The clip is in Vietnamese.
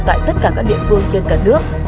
tại tất cả các địa phương trên cả nước